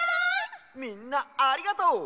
みんなありがとう！